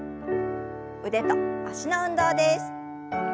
腕と脚の運動です。